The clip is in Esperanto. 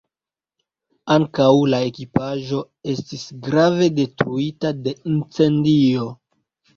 Ankaŭ la ekipaĵo estis grave detruita de incendio.